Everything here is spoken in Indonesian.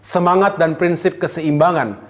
semangat dan prinsip keseimbangan